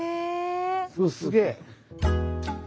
すげえ。